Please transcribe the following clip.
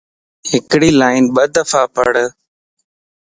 ھڪڙي لائن ٻه دفع پڙھ